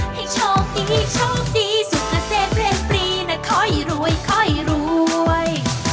ให้โชคดีโชคดีสุขเสร็จเรียนปรีน่ะคอยรวยคอยรวย